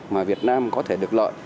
mà việt nam có thể được lợi